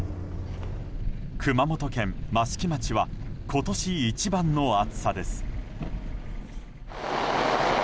熊本県益城町は今年一番の暑さです。